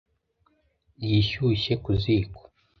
Yishyushye ku ziko.